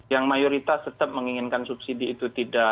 yang mayoritas tetap menginginkan subsidi itu tidak